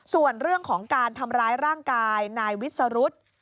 ส่วนเรื่องของการทำร้ายร่างกายนายวิสรุธ